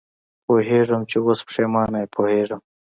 پوهېږم چې اوس پېښېمانه یې، پوهېږم.